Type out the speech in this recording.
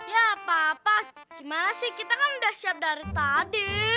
ya apa apa gimana sih kita kan udah siap dari tadi